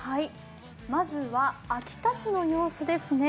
まずは秋田市の様子ですね。